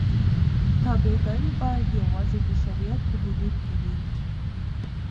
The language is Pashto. تابعداري باید یوازې د شریعت په حدودو کې وي.